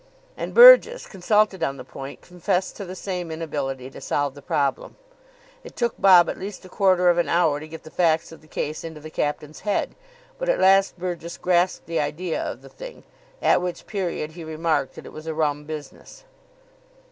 And Burgess, consulted on the point, confessed to the same inability to solve the problem. It took Bob at least a quarter of an hour to get the facts of the case into the captain's head, but at last Burgess grasped the idea of the thing. At which period he remarked that it was a rum business.